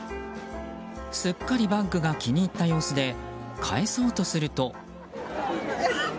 すっかりバッグが気に入った様子で返そうとすると。